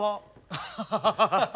アハハハ！